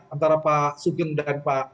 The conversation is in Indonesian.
antara pak sugeng dan pak